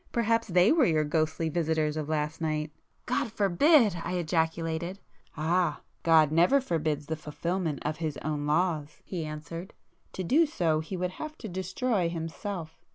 Perhaps they were your ghostly visitors of last night!" "God forbid!" I ejaculated. "Ah! God never forbids the fulfilment of His own laws!" he answered—"To do so He would have to destroy Himself."